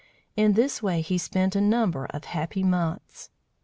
In this way he spent a number of happy months.